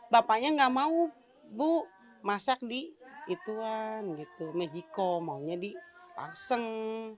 bapaknya nggak mau masak di mejikom maunya di nakseng